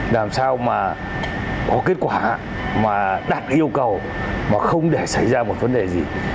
làm sao có kết quả đạt yêu cầu không để xảy ra một vấn đề gì